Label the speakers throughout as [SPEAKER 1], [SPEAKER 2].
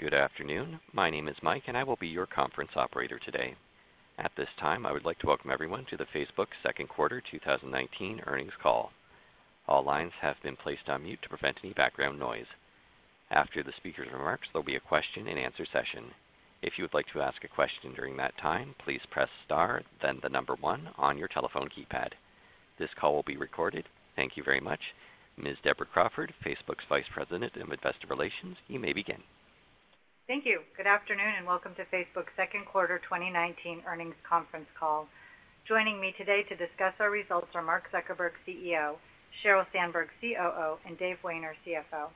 [SPEAKER 1] Good afternoon. My name is Mike and I will be your conference operator today. At this time, I would like to welcome everyone to the Facebook second quarter 2019 earnings call. All lines have been placed on mute to prevent any background noise. After the speaker's remarks, there will be a question and answer session. If you would like to ask a question during that time, please press star, then the number one on your telephone keypad. This call will be recorded. Thank you very much. Ms. Deborah Crawford, Facebook's Vice President of Investor Relations, you may begin.
[SPEAKER 2] Thank you. Good afternoon and welcome to Facebook's second quarter 2019 earnings conference call. Joining me today to discuss our results are Mark Zuckerberg, CEO; Sheryl Sandberg, COO; and Dave Wehner, CFO.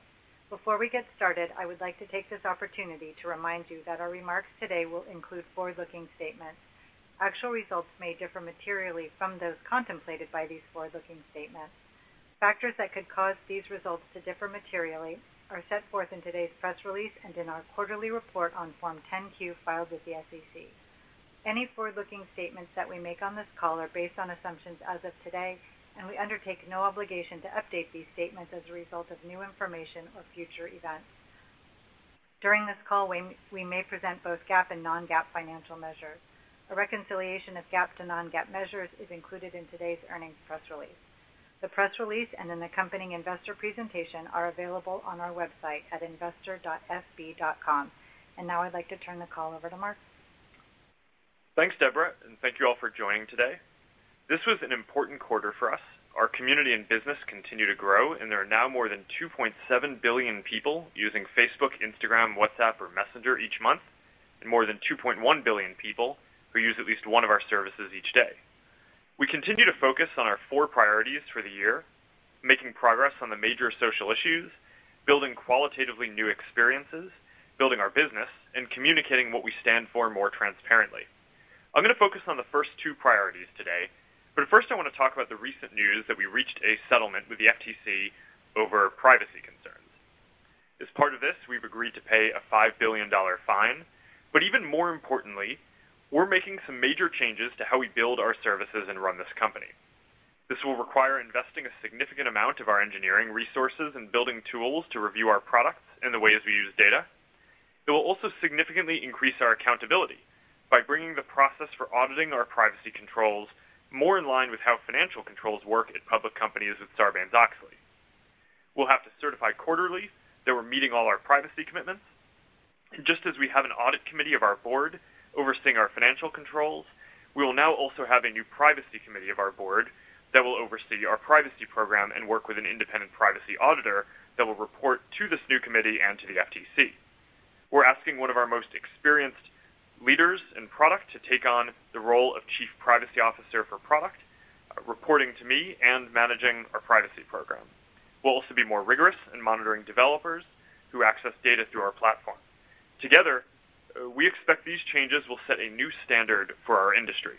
[SPEAKER 2] Before we get started, I would like to take this opportunity to remind you that our remarks today will include forward-looking statements. Actual results may differ materially from those contemplated by these forward-looking statements. Factors that could cause these results to differ materially are set forth in today's press release and in our quarterly report on Form 10-Q filed with the SEC. Any forward-looking statements that we make on this call are based on assumptions as of today, and we undertake no obligation to update these statements as a result of new information or future events. During this call, we may present both GAAP and non-GAAP financial measures. A reconciliation of GAAP to non-GAAP measures is included in today's earnings press release. The press release and an accompanying investor presentation are available on our website at investor.fb.com. Now I'd like to turn the call over to Mark.
[SPEAKER 3] Thanks, Deborah, and thank you all for joining today. This was an important quarter for us. Our community and business continue to grow, and there are now more than 2.7 billion people using Facebook, Instagram, WhatsApp, or Messenger each month, and more than 2.1 billion people who use at least one of our services each day. We continue to focus on our four priorities for the year, making progress on the major social issues, building qualitatively new experiences, building our business, and communicating what we stand for more transparently. I'm going to focus on the first two priorities today. First I want to talk about the recent news that we reached a settlement with the FTC over privacy concerns. As part of this, we've agreed to pay a $5 billion fine. Even more importantly, we're making some major changes to how we build our services and run this company. This will require investing a significant amount of our engineering resources and building tools to review our products and the ways we use data. It will also significantly increase our accountability by bringing the process for auditing our privacy controls more in line with how financial controls work at public companies with Sarbanes-Oxley. We'll have to certify quarterly that we're meeting all our privacy commitments. Just as we have an audit committee of our board overseeing our financial controls, we will now also have a new privacy committee of our board that will oversee our privacy program and work with an independent privacy auditor that will report to this new committee and to the FTC. We're asking one of our most experienced leaders in product to take on the role of Chief Privacy Officer for product, reporting to me and managing our privacy program. We'll also be more rigorous in monitoring developers who access data through our platform. Together, we expect these changes will set a new standard for our industry.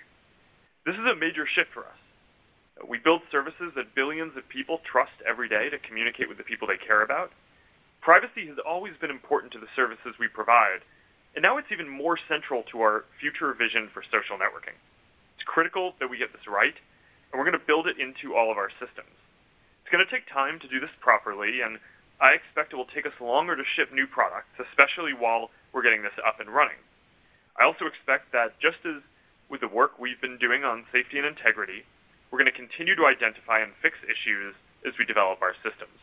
[SPEAKER 3] This is a major shift for us. We build services that billions of people trust every day to communicate with the people they care about. Privacy has always been important to the services we provide, and now it's even more central to our future vision for social networking. It's critical that we get this right, and we're going to build it into all of our systems. It's going to take time to do this properly, and I expect it will take us longer to ship new products, especially while we're getting this up and running. I also expect that just as with the work we've been doing on safety and integrity, we're going to continue to identify and fix issues as we develop our systems.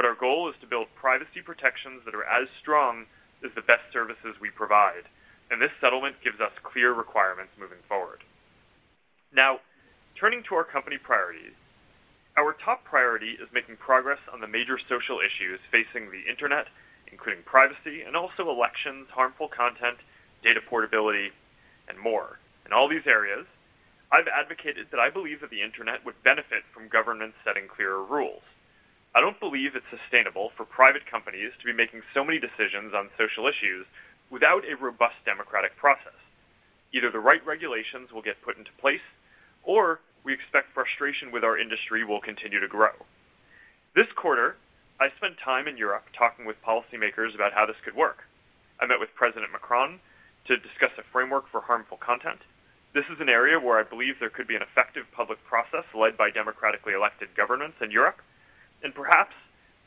[SPEAKER 3] Our goal is to build privacy protections that are as strong as the best services we provide, and this settlement gives us clear requirements moving forward. Turning to our company priorities. Our top priority is making progress on the major social issues facing the internet, including privacy and also elections, harmful content, data portability, and more. In all these areas, I've advocated that I believe that the internet would benefit from governments setting clearer rules. I don't believe it's sustainable for private companies to be making so many decisions on social issues without a robust democratic process. Either the right regulations will get put into place, or we expect frustration with our industry will continue to grow. This quarter, I spent time in Europe talking with policymakers about how this could work. I met with President Macron to discuss a framework for harmful content. This is an area where I believe there could be an effective public process led by democratically elected governments in Europe, and perhaps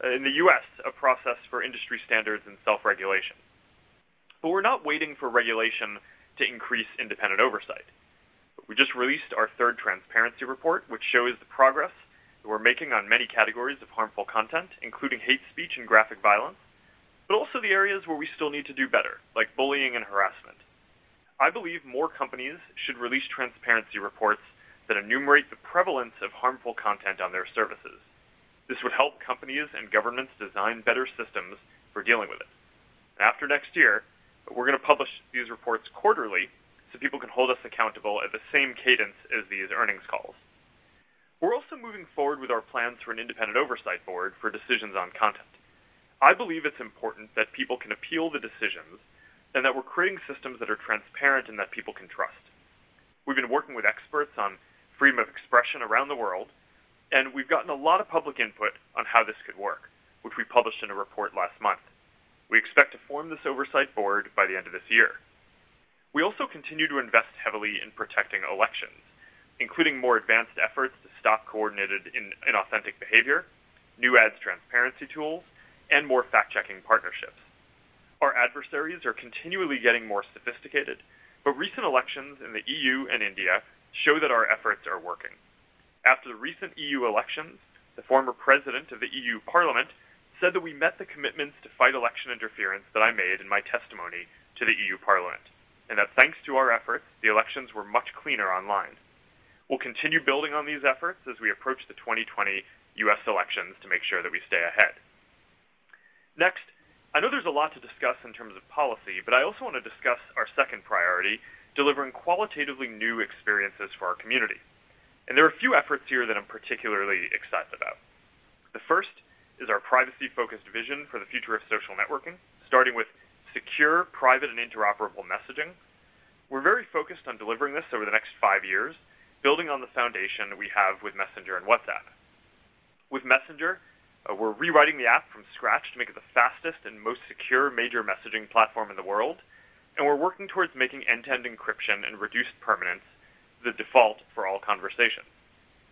[SPEAKER 3] in the U.S., a process for industry standards and self-regulation. We're not waiting for regulation to increase independent oversight. We just released our third transparency report, which shows the progress that we're making on many categories of harmful content, including hate speech and graphic violence, but also the areas where we still need to do better, like bullying and harassment. I believe more companies should release transparency reports that enumerate the prevalence of harmful content on their services. This would help companies and governments design better systems for dealing with it. After next year, we're going to publish these reports quarterly so people can hold us accountable at the same cadence as these earnings calls. We're also moving forward with our plans for an independent oversight board for decisions on content. I believe it's important that people can appeal the decisions and that we're creating systems that are transparent and that people can trust. We've been working with experts on freedom of expression around the world, and we've gotten a lot of public input on how this could work, which we published in a report last month. We expect to form this oversight board by the end of this year. We'll also continue to invest heavily in protecting elections, including more advanced efforts to stop coordinated inauthentic behavior, new ads transparency tools, and more fact-checking partnerships. Our adversaries are continually getting more sophisticated, but recent elections in the EU and India show that our efforts are working. After the recent EU elections, the former president of the EU Parliament said that we met the commitments to fight election interference that I made in my testimony to the EU Parliament, and that thanks to our efforts, the elections were much cleaner online. We'll continue building on these efforts as we approach the 2020 U.S. elections to make sure that we stay ahead. I know there's a lot to discuss in terms of policy, but I also want to discuss our second priority, delivering qualitatively new experiences for our community. There are a few efforts here that I'm particularly excited about. The first is our privacy-focused vision for the future of social networking, starting with secure, private, and interoperable messaging. We're very focused on delivering this over the next five years, building on the foundation that we have with Messenger and WhatsApp. With Messenger, we're rewriting the app from scratch to make it the fastest and most secure major messaging platform in the world, and we're working towards making end-to-end encryption and reduced permanence the default for all conversations.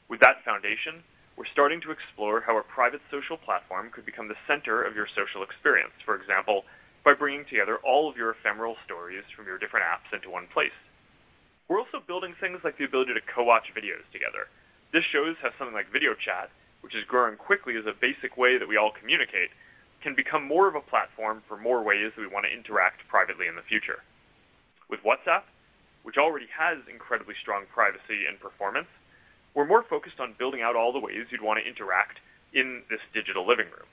[SPEAKER 3] With that foundation, we're starting to explore how a private social platform could become the center of your social experience, for example, by bringing together all of your ephemeral stories from your different apps into one place. We're also building things like the ability to co-watch videos together. This shows how something like video chat, which is growing quickly as a basic way that we all communicate, can become more of a platform for more ways that we want to interact privately in the future. With WhatsApp, which already has incredibly strong privacy and performance, we're more focused on building out all the ways you'd want to interact in this digital living room.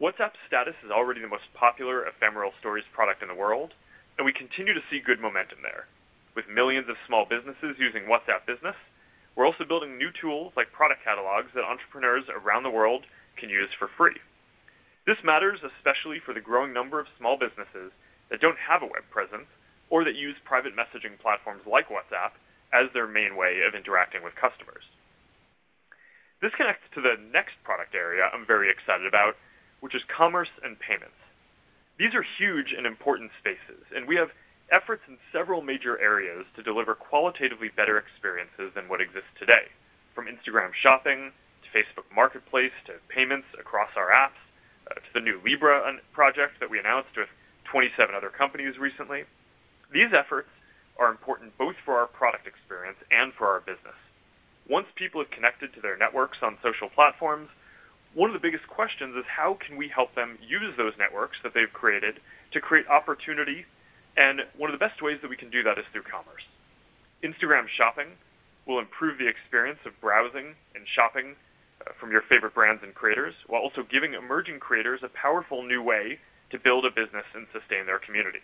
[SPEAKER 3] WhatsApp's Status is already the most popular ephemeral stories product in the world, and we continue to see good momentum there. With millions of small businesses using WhatsApp Business, we're also building new tools like product catalogs that entrepreneurs around the world can use for free. This matters especially for the growing number of small businesses that don't have a web presence or that use private messaging platforms like WhatsApp as their main way of interacting with customers. This connects to the next product area I'm very excited about, which is commerce and payments. These are huge and important spaces. We have efforts in several major areas to deliver qualitatively better experiences than what exists today, from Instagram Shopping to Facebook Marketplace to payments across our apps to the new Libra project that we announced with 27 other companies recently. These efforts are important both for our product experience and for our business. Once people have connected to their networks on social platforms, one of the biggest questions is how can we help them use those networks that they've created to create opportunity, one of the best ways that we can do that is through commerce. Instagram Shopping will improve the experience of browsing and shopping from your favorite brands and creators while also giving emerging creators a powerful new way to build a business and sustain their community.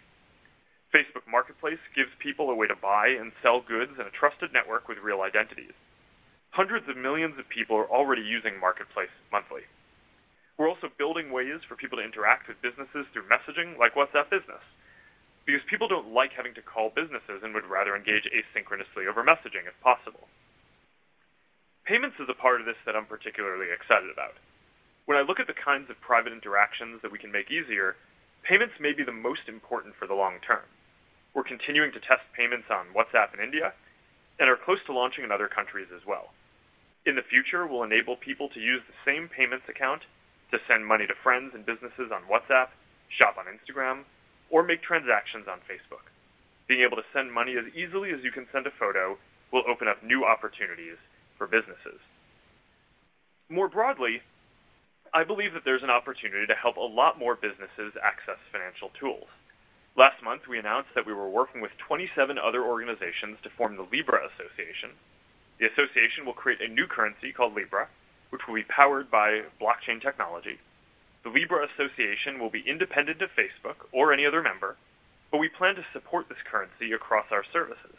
[SPEAKER 3] Facebook Marketplace gives people a way to buy and sell goods in a trusted network with real identities. Hundreds of millions of people are already using Marketplace monthly. We're also building ways for people to interact with businesses through messaging like WhatsApp Business. People don't like having to call businesses and would rather engage asynchronously over messaging if possible. Payments is the part of this that I'm particularly excited about. When I look at the kinds of private interactions that we can make easier, payments may be the most important for the long term. We're continuing to test payments on WhatsApp in India and are close to launching in other countries as well. In the future, we'll enable people to use the same payments account to send money to friends and businesses on WhatsApp, shop on Instagram, or make transactions on Facebook. Being able to send money as easily as you can send a photo will open up new opportunities for businesses. More broadly, I believe that there's an opportunity to help a lot more businesses access financial tools. Last month, we announced that we were working with 27 other organizations to form the Libra Association. The association will create a new currency called Libra, which will be powered by blockchain technology. The Libra Association will be independent of Facebook or any other member, but we plan to support this currency across our services.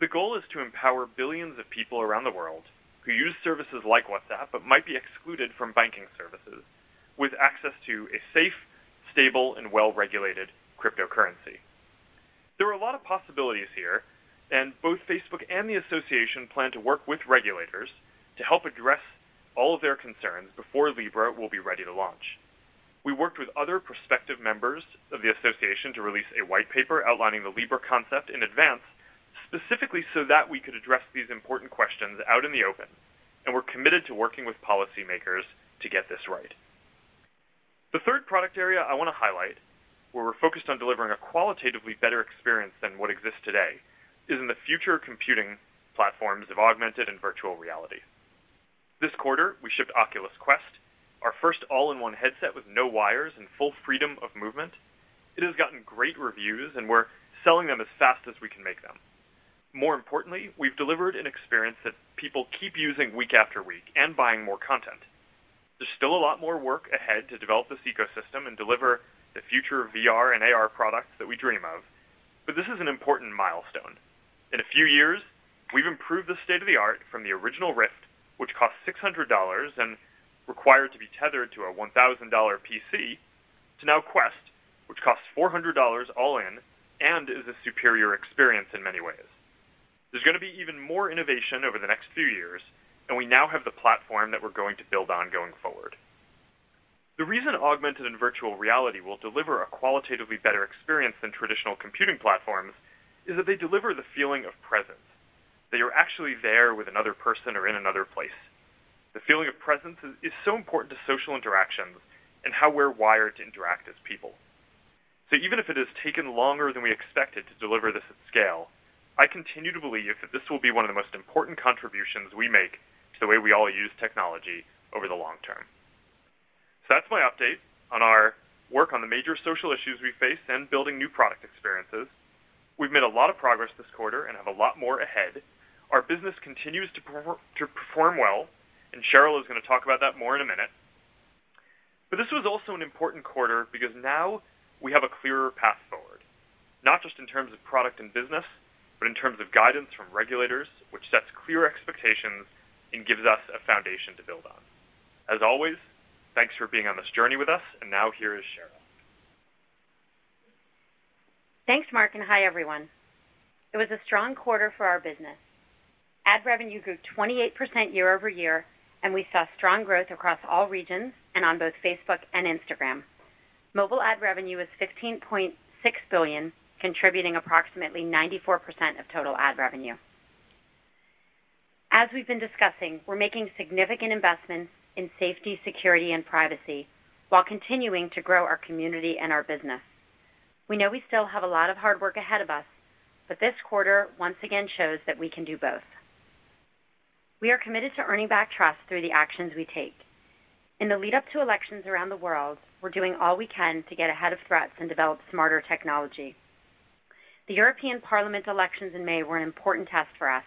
[SPEAKER 3] The goal is to empower billions of people around the world who use services like WhatsApp but might be excluded from banking services with access to a safe, stable, and well-regulated cryptocurrency. There are a lot of possibilities here, and both Facebook and the Association plan to work with regulators to help address all of their concerns before Libra will be ready to launch. We worked with other prospective members of the Association to release a white paper outlining the Libra concept in advance, specifically so that we could address these important questions out in the open, and we're committed to working with policymakers to get this right. The third product area I want to highlight, where we're focused on delivering a qualitatively better experience than what exists today, is in the future computing platforms of augmented and virtual reality. This quarter, we shipped Oculus Quest, our first all-in-one headset with no wires and full freedom of movement. It has gotten great reviews, and we're selling them as fast as we can make them. More importantly, we've delivered an experience that people keep using week after week and buying more content. There's still a lot more work ahead to develop this ecosystem and deliver the future of VR and AR products that we dream of, but this is an important milestone. In a few years, we've improved the state-of-the-art from the original Rift, which cost $600 and required to be tethered to a $1,000 PC, to now Quest, which costs $400 all in and is a superior experience in many ways. There's going to be even more innovation over the next few years, and we now have the platform that we're going to build on going forward. The reason augmented and virtual reality will deliver a qualitatively better experience than traditional computing platforms is that they deliver the feeling of presence, that you're actually there with another person or in another place. The feeling of presence is so important to social interactions and how we're wired to interact as people. Even if it has taken longer than we expected to deliver this at scale, I continue to believe that this will be one of the most important contributions we make to the way we all use technology over the long term. That's my update on our work on the major social issues we face and building new product experiences. We've made a lot of progress this quarter and have a lot more ahead. Our business continues to perform well, and Sheryl is going to talk about that more in a minute. This was also an important quarter because now we have a clearer path forward, not just in terms of product and business, but in terms of guidance from regulators, which sets clear expectations and gives us a foundation to build on. As always, thanks for being on this journey with us. Now, here is Sheryl.
[SPEAKER 4] Thanks, Mark, and hi, everyone. It was a strong quarter for our business. Ad revenue grew 28% year-over-year, and we saw strong growth across all regions and on both Facebook and Instagram. Mobile ad revenue was $15.6 billion, contributing approximately 94% of total ad revenue. As we've been discussing, we're making significant investments in safety, security, and privacy while continuing to grow our community and our business. We know we still have a lot of hard work ahead of us, but this quarter once again shows that we can do both. We are committed to earning back trust through the actions we take. In the lead up to elections around the world, we're doing all we can to get ahead of threats and develop smarter technology. The European Parliament elections in May were an important test for us.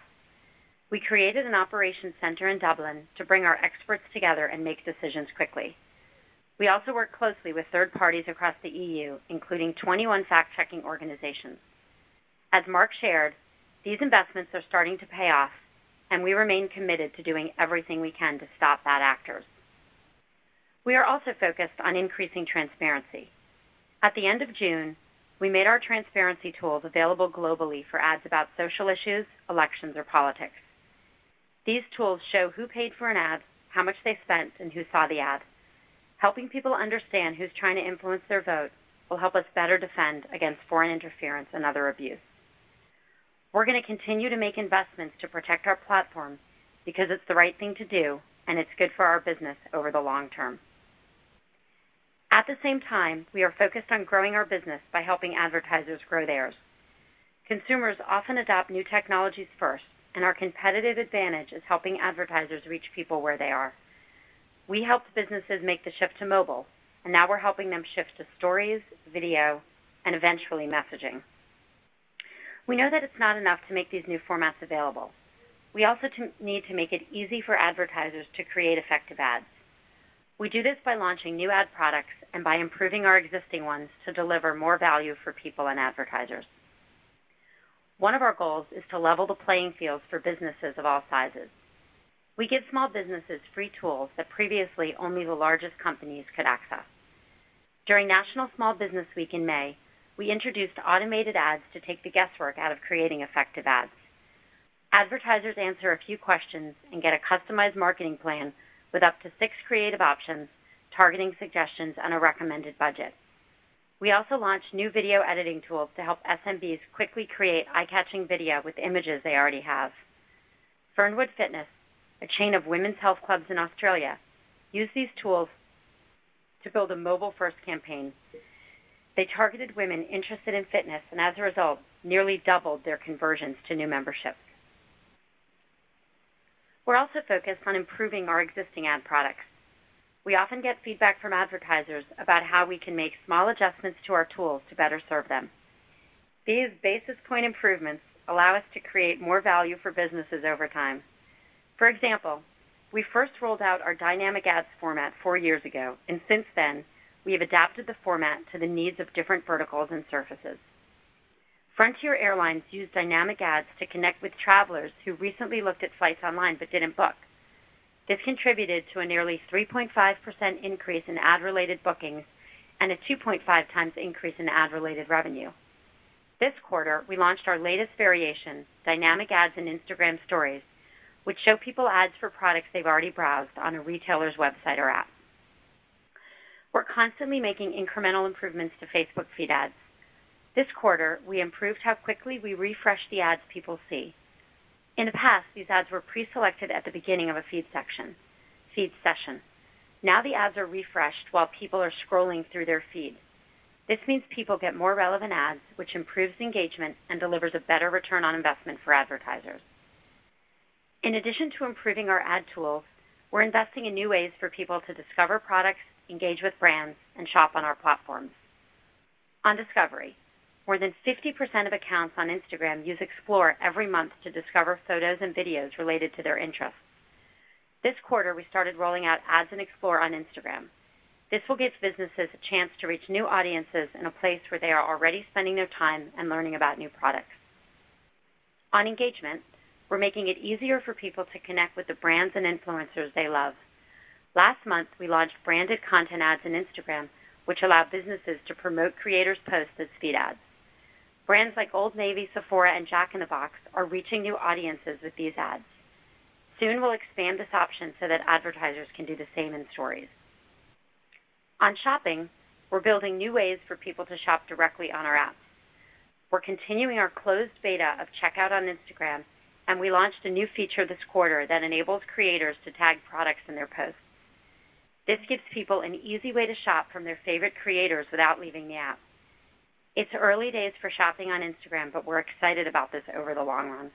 [SPEAKER 4] We created an operations center in Dublin to bring our experts together and make decisions quickly. We also work closely with third parties across the EU, including 21 fact-checking organizations. As Mark shared, these investments are starting to pay off, and we remain committed to doing everything we can to stop bad actors. We are also focused on increasing transparency. At the end of June, we made our transparency tools available globally for ads about social issues, elections, or politics. These tools show who paid for an ad, how much they spent, and who saw the ad. Helping people understand who's trying to influence their vote will help us better defend against foreign interference and other abuse. We're going to continue to make investments to protect our platforms because it's the right thing to do and it's good for our business over the long term. At the same time, we are focused on growing our business by helping advertisers grow theirs. Consumers often adopt new technologies first, and our competitive advantage is helping advertisers reach people where they are. We helped businesses make the shift to mobile, and now we're helping them shift to stories, video, and eventually messaging. We know that it's not enough to make these new formats available. We also need to make it easy for advertisers to create effective ads. We do this by launching new ad products and by improving our existing ones to deliver more value for people and advertisers. One of our goals is to level the playing field for businesses of all sizes. We give small businesses free tools that previously only the largest companies could access. During National Small Business Week in May, we introduced automated ads to take the guesswork out of creating effective ads. Advertisers answer a few questions and get a customized marketing plan with up to six creative options, targeting suggestions, and a recommended budget. We also launched new video editing tools to help SMBs quickly create eye-catching video with images they already have. Fernwood Fitness, a chain of women's health clubs in Australia, used these tools to build a mobile-first campaign. They targeted women interested in fitness, and as a result, nearly doubled their conversions to new memberships. We're also focused on improving our existing ad products. We often get feedback from advertisers about how we can make small adjustments to our tools to better serve them. These basis point improvements allow us to create more value for businesses over time. For example, we first rolled out our dynamic ads format four years ago, and since then, we have adapted the format to the needs of different verticals and surfaces. Frontier Airlines used dynamic ads to connect with travelers who recently looked at flights online but didn't book. This contributed to a nearly 3.5% increase in ad-related bookings and a 2.5x increase in ad-related revenue. This quarter, we launched our latest variation, dynamic ads in Instagram Stories, which show people ads for products they've already browsed on a retailer's website or app. We're constantly making incremental improvements to Facebook feed ads. This quarter, we improved how quickly we refresh the ads people see. In the past, these ads were pre-selected at the beginning of a feed session. Now the ads are refreshed while people are scrolling through their feed. This means people get more relevant ads, which improves engagement and delivers a better return on investment for advertisers. In addition to improving our ad tools, we're investing in new ways for people to discover products, engage with brands, and shop on our platforms. On discovery, more than 50% of accounts on Instagram use Explore every month to discover photos and videos related to their interests. This quarter, we started rolling out ads in Explore on Instagram. This will give businesses a chance to reach new audiences in a place where they are already spending their time and learning about new products. On engagement, we're making it easier for people to connect with the brands and influencers they love. Last month, we launched branded content ads on Instagram, which allow businesses to promote creators' posts as feed ads. Brands like Old Navy, Sephora, and Jack in the Box are reaching new audiences with these ads. Soon we'll expand this option so that advertisers can do the same in Stories. On shopping, we're building new ways for people to shop directly on our apps. We're continuing our closed beta of Checkout on Instagram, and we launched a new feature this quarter that enables creators to tag products in their posts. This gives people an easy way to shop from their favorite creators without leaving the app. It's early days for shopping on Instagram, but we're excited about this over the long run.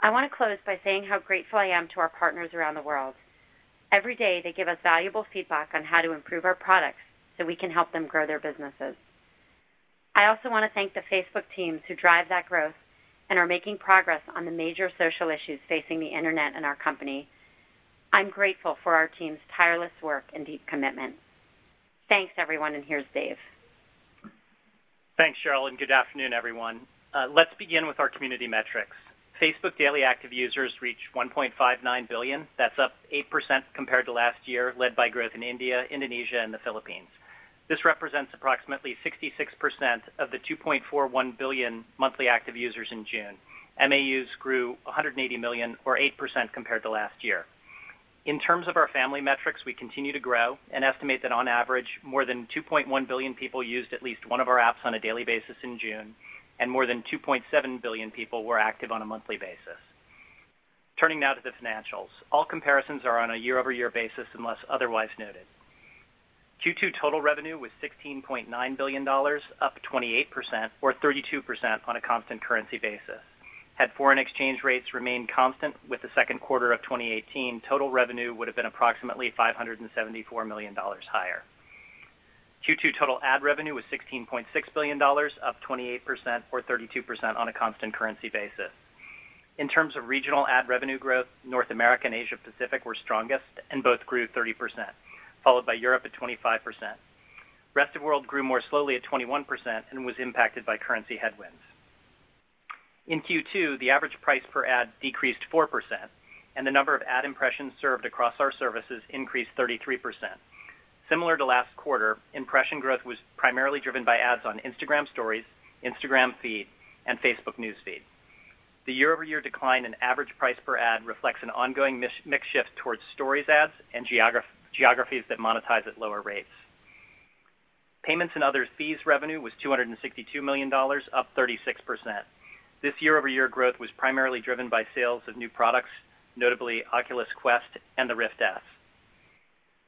[SPEAKER 4] I want to close by saying how grateful I am to our partners around the world. Every day, they give us valuable feedback on how to improve our products so we can help them grow their businesses. I also want to thank the Facebook teams who drive that growth and are making progress on the major social issues facing the internet and our company. I'm grateful for our team's tireless work and deep commitment. Thanks, everyone, and here's Dave.
[SPEAKER 5] Thanks, Sheryl, and good afternoon, everyone. Let's begin with our community metrics. Facebook daily active users reached 1.59 billion. That's up 8% compared to last year, led by growth in India, Indonesia, and the Philippines. This represents approximately 66% of the 2.41 billion monthly active users in June. MAUs grew 180 million, or 8% compared to last year. In terms of our family metrics, we continue to grow and estimate that on average, more than 2.1 billion people used at least one of our apps on a daily basis in June, and more than 2.7 billion people were active on a monthly basis. Turning now to the financials. All comparisons are on a year-over-year basis unless otherwise noted. Q2 total revenue was $16.9 billion, up 28%, or 32% on a constant currency basis. Had foreign exchange rates remained constant with the second quarter of 2018, total revenue would've been approximately $574 million higher. Q2 total ad revenue was $16.6 billion, up 28%, or 32% on a constant currency basis. In terms of regional ad revenue growth, North America and Asia Pacific were strongest and both grew 30%, followed by Europe at 25%. Rest of World grew more slowly at 21% and was impacted by currency headwinds. In Q2, the average price per ad decreased 4%, and the number of ad impressions served across our services increased 33%. Similar to last quarter, impression growth was primarily driven by ads on Instagram Stories, Instagram Feed, and Facebook News Feed. The year-over-year decline in average price per ad reflects an ongoing mix shift towards Stories ads and geographies that monetize at lower rates. Payments and other fees revenue was $262 million, up 36%. This year-over-year growth was primarily driven by sales of new products, notably Oculus Quest and the Rift S.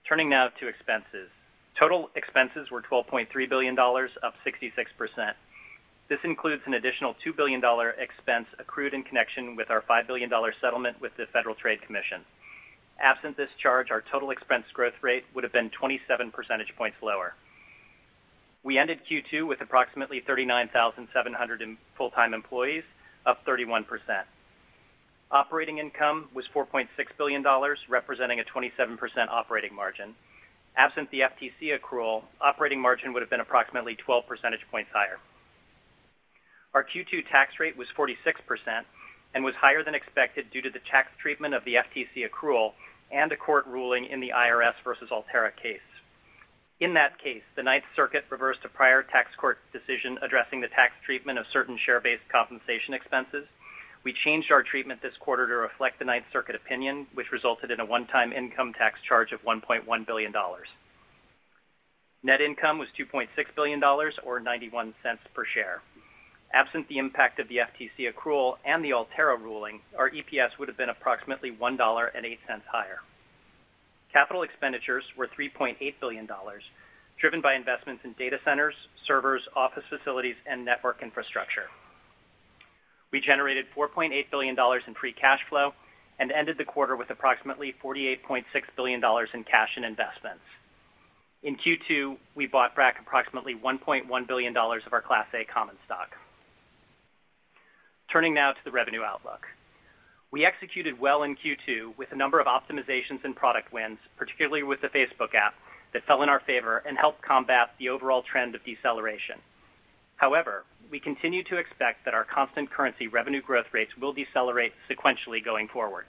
[SPEAKER 5] Turning now to expenses. Total expenses were $12.3 billion, up 66%. This includes an additional $2 billion expense accrued in connection with our $5 billion settlement with the Federal Trade Commission. Absent this charge, our total expense growth rate would've been 27 percentage points lower. We ended Q2 with approximately 39,700 in full-time employees, up 31%. Operating income was $4.6 billion, representing a 27% operating margin. Absent the FTC accrual, operating margin would've been approximately 12 percentage points higher. Our Q2 tax rate was 46% and was higher than expected due to the tax treatment of the FTC accrual and a court ruling in the IRS versus Altera case. In that case, the Ninth Circuit reversed a prior tax court decision addressing the tax treatment of certain share-based compensation expenses. We changed our treatment this quarter to reflect the Ninth Circuit opinion, which resulted in a one-time income tax charge of $1.1 billion. Net income was $2.6 billion, or $0.91 per share. Absent the impact of the FTC accrual and the Altera ruling, our EPS would've been approximately $1.08 higher. Capital expenditures were $3.8 billion, driven by investments in data centers, servers, office facilities, and network infrastructure. We generated $4.8 billion in free cash flow and ended the quarter with approximately $48.6 billion in cash and investments. In Q2, we bought back approximately $1.1 billion of our Class A common stock. Turning now to the revenue outlook. We executed well in Q2 with a number of optimizations and product wins, particularly with the Facebook app, that fell in our favor and helped combat the overall trend of deceleration. However, we continue to expect that our constant currency revenue growth rates will decelerate sequentially going forward.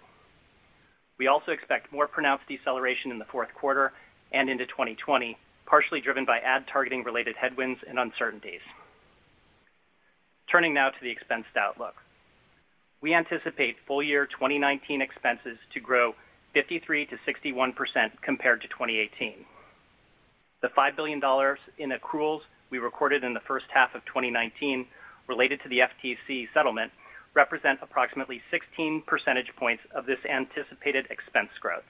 [SPEAKER 5] We also expect more pronounced deceleration in the fourth quarter and into 2020, partially driven by ad targeting related headwinds and uncertainties. Turning now to the expense outlook. We anticipate full year 2019 expenses to grow 53%-61% compared to 2018. The $5 billion in accruals we recorded in the first half of 2019 related to the FTC settlement represent approximately 16 percentage points of this anticipated expense growth.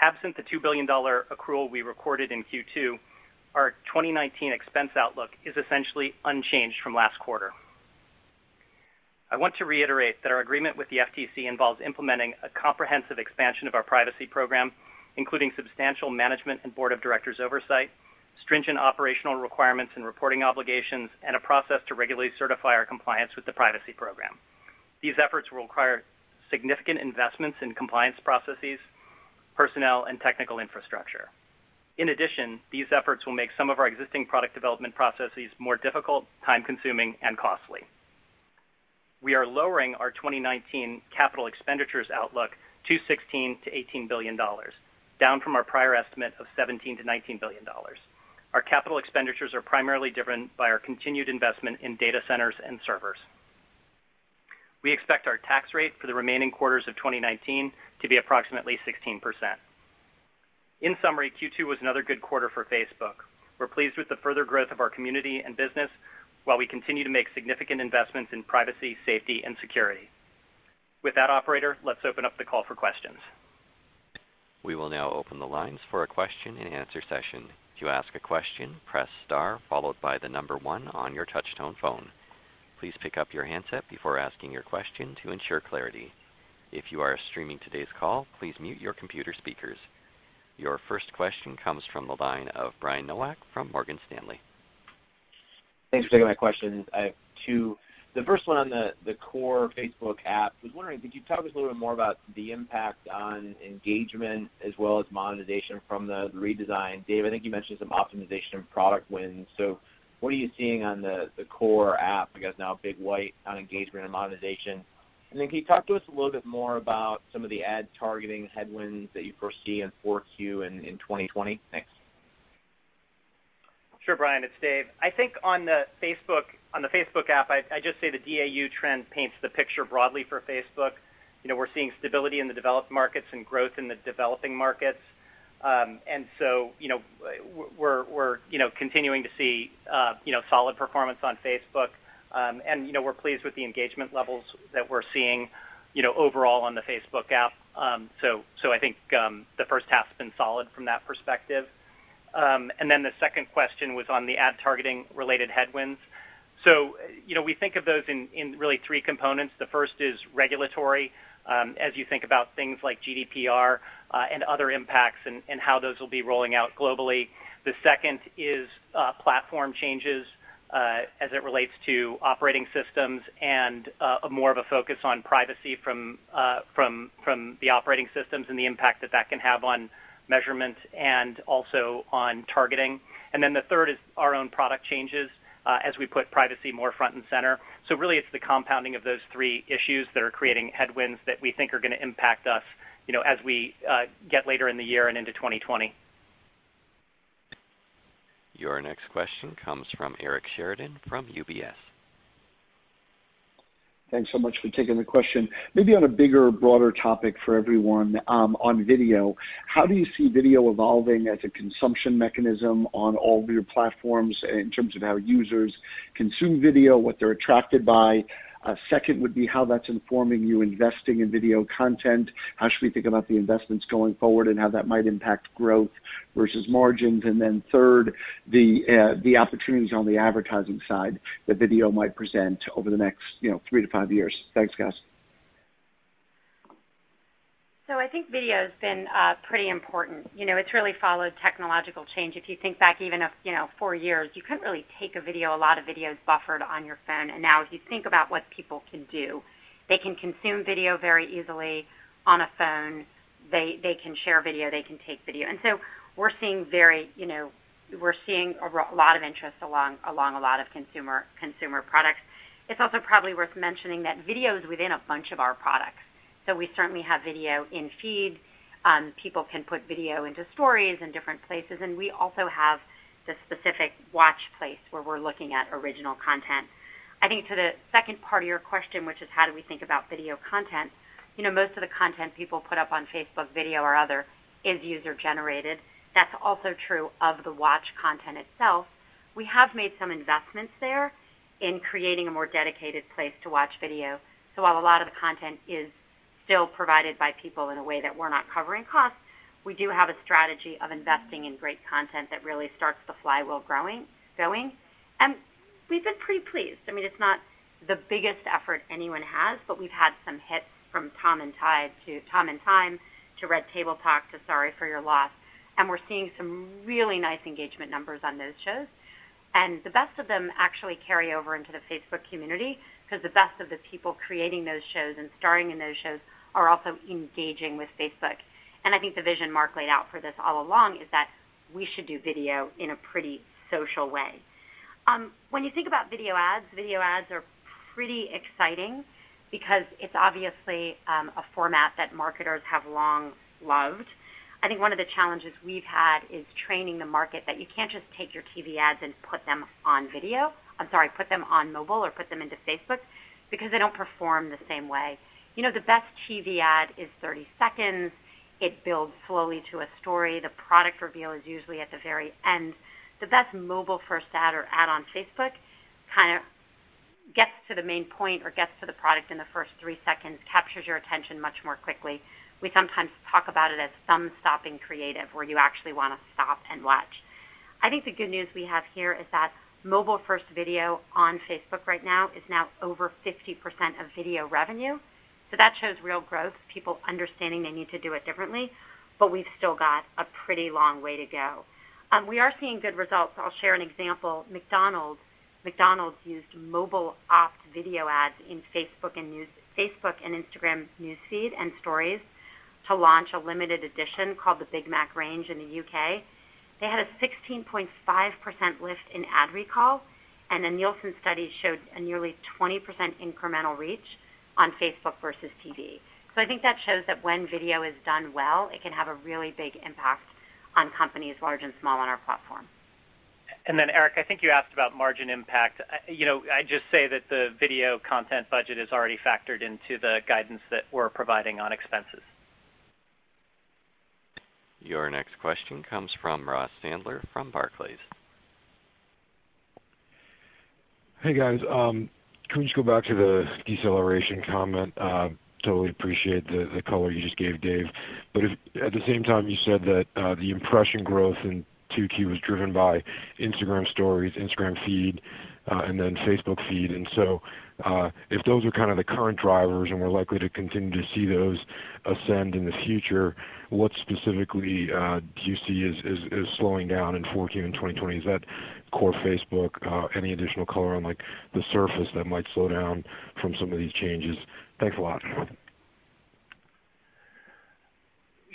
[SPEAKER 5] Absent the $2 billion accrual we recorded in Q2, our 2019 expense outlook is essentially unchanged from last quarter. I want to reiterate that our agreement with the FTC involves implementing a comprehensive expansion of our privacy program, including substantial management and board of directors oversight, stringent operational requirements and reporting obligations, and a process to regularly certify our compliance with the privacy program. These efforts will require significant investments in compliance processes, personnel, and technical infrastructure. These efforts will make some of our existing product development processes more difficult, time-consuming, and costly. We are lowering our 2019 capital expenditures outlook to $16 billion-$18 billion, down from our prior estimate of $17 billion-$19 billion. Our capital expenditures are primarily driven by our continued investment in data centers and servers. We expect our tax rate for the remaining quarters of 2019 to be approximately 16%. Q2 was another good quarter for Facebook. We're pleased with the further growth of our community and business while we continue to make significant investments in privacy, safety, and security. With that, operator, let's open up the call for questions.
[SPEAKER 1] We will now open the lines for a question and answer session. To ask a question, press star followed by the number one on your touch-tone phone. Please pick up your handset before asking your question to ensure clarity. If you are streaming today's call, please mute your computer speakers. Your first question comes from the line of Brian Nowak from Morgan Stanley.
[SPEAKER 6] Thanks for taking my questions. I have two. The first one on the core Facebook app. Was wondering, could you talk to us a little bit more about the impact on engagement as well as monetization from the redesign? Dave, I think you mentioned some optimization of product wins. What are you seeing on the core app, I guess now FB5, on engagement and monetization? Can you talk to us a little bit more about some of the ad targeting headwinds that you foresee in 4Q and in 2020? Thanks.
[SPEAKER 5] Sure, Brian, it's Dave. I think on the Facebook app, I just say the DAU trend paints the picture broadly for Facebook. We're seeing stability in the developed markets and growth in the developing markets. We're continuing to see solid performance on Facebook. We're pleased with the engagement levels that we're seeing overall on the Facebook app. I think the first half's been solid from that perspective. The second question was on the ad targeting-related headwinds. We think of those in really three components. The first is regulatory, as you think about things like GDPR and other impacts and how those will be rolling out globally. The second is platform changes, as it relates to operating systems and more of a focus on privacy from the operating systems and the impact that that can have on measurements and also on targeting. The third is our own product changes as we put privacy more front and center. Really it's the compounding of those three issues that are creating headwinds that we think are going to impact us as we get later in the year and into 2020.
[SPEAKER 1] Your next question comes from Eric Sheridan from UBS.
[SPEAKER 7] Thanks so much for taking the question. On a bigger, broader topic for everyone, on video, how do you see video evolving as a consumption mechanism on all of your platforms in terms of how users consume video, what they're attracted by? Second would be how that's informing you investing in video content. How should we think about the investments going forward and how that might impact growth versus margins? Third, the opportunities on the advertising side that video might present over the next three to five years. Thanks, guys.
[SPEAKER 4] I think video's been pretty important. It's really followed technological change. If you think back even four years, you couldn't really take a video. A lot of video's buffered on your phone. Now if you think about what people can do, they can consume video very easily on a phone. They can share video, they can take video. We're seeing a lot of interest along a lot of consumer products. It's also probably worth mentioning that video is within a bunch of our products. We certainly have video in feed. People can put video into stories and different places, and we also have the specific Watch place where we're looking at original content. I think to the second part of your question, which is how do we think about video content, most of the content people put up on Facebook Video or other is user-generated. That's also true of the Watch content itself. We have made some investments there in creating a more dedicated place to watch video. While a lot of the content is still provided by people in a way that we're not covering costs, we do have a strategy of investing in great content that really starts the flywheel going. We've been pretty pleased. I mean, it's not the biggest effort anyone has, but we've had some hits from "Tom vs. Time" to "Red Table Talk" to "Sorry for Your Loss," and we're seeing some really nice engagement numbers on those shows. The best of them actually carry over into the Facebook community because the best of the people creating those shows and starring in those shows are also engaging with Facebook. I think the vision Mark laid out for this all along is that we should do video in a pretty social way. When you think about video ads, video ads are pretty exciting because it's obviously a format that marketers have long loved. I think one of the challenges we've had is training the market that you can't just take your TV ads and put them on mobile or put them into Facebook because they don't perform the same way. The best TV ad is 30 seconds. It builds slowly to a story. The product reveal is usually at the very end. The best mobile-first ad or ad on Facebook kind of gets to the main point or gets to the product in the first three seconds, captures your attention much more quickly. We sometimes talk about it as thumb-stopping creative, where you actually want to stop and watch. I think the good news we have here is that mobile-first video on Facebook right now is now over 50% of video revenue. That shows real growth, people understanding they need to do it differently, but we've still got a pretty long way to go. We are seeing good results. I'll share an example. McDonald's used mobile opt video ads in Facebook and Instagram news feed and stories to launch a limited edition called the Big Mac range in the U.K. They had a 16.5% lift in ad recall. The Nielsen study showed a nearly 20% incremental reach on Facebook versus TV. I think that shows that when video is done well, it can have a really big impact on companies, large and small, on our platform.
[SPEAKER 5] Eric, I think you asked about margin impact. I'd just say that the video content budget is already factored into the guidance that we're providing on expenses.
[SPEAKER 1] Your next question comes from Ross Sandler from Barclays.
[SPEAKER 8] Hey, guys. Can we just go back to the deceleration comment? Totally appreciate the color you just gave Dave. At the same time, you said that the impression growth in 2Q was driven by Instagram Stories, Instagram Feed, and then Facebook News Feed. If those are kind of the current drivers and we're likely to continue to see those ascend in the future, what specifically do you see as slowing down in 4Q and 2020? Is that core Facebook? Any additional color on the surface that might slow down from some of these changes? Thanks a lot.